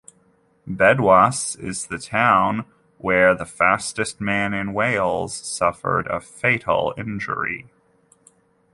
Bedwas is the town where the 'fastest man in Wales' suffered a fatal injury.